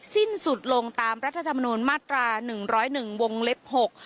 สิ้นสุดลงตามรัฐธรรมนูลมาตรา๑๐๑วงเล็ก๖